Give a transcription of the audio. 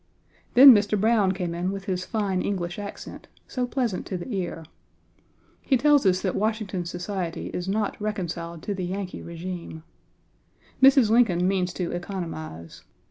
Then Mr. Browne came in with his fine English accent, so pleasant to the ear. He tells us that Washington society is not reconciled to the Yankee régime. Mrs. Lincoln means to economize.